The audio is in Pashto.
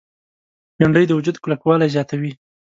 بېنډۍ د وجود کلکوالی زیاتوي